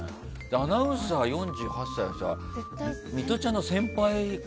アナウンサー、４８歳ってミトちゃんの先輩